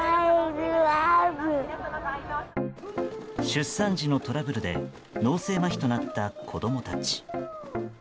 出産時のトラブルで脳性まひとなった子供たち。